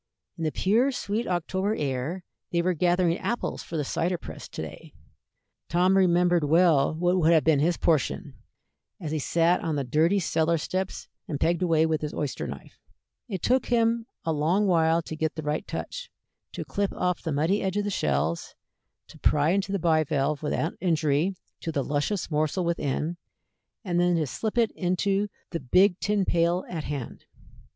In the pure, sweet October air they were gathering apples for the cider press to day. Tom remembered well what would have been his portion, as he sat on the dirty cellar steps and pegged away with his oyster knife. It took him a long while to get the right touch, to clip off the muddy edge of the shells, to pry into the bivalve without injury to the luscious morsel within, and then to slip it into the big tin pail at hand.